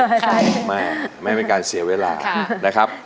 ไม่ไม่ให้เป็นการเสียเวลา